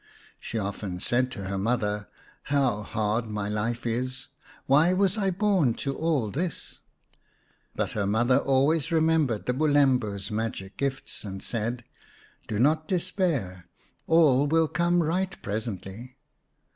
She often said to her mother, " How hard my life is ! Why was I born to all this ?" But her mother always remembered the Bulembu's magic gifts, and said, " Do not despair ; all will come right presently."